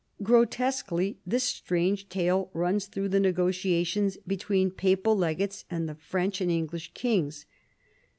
Grotesquely this strange tale runs through the negotia tions between papal legates and the French and English kings.